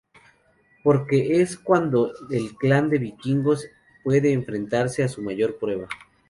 Porque es cuando el clan de vikingos puede enfrentarse a su mayor prueba.